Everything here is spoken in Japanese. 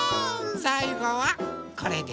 さいごはこれです。